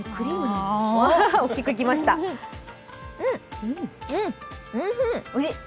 うん、おいしい。